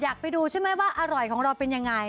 อยากไปดูใช่ไหมว่าอร่อยของเราเป็นยังไง